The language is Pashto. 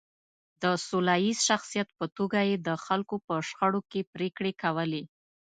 د سوله ییز شخصیت په توګه یې د خلکو په شخړو کې پرېکړې کولې.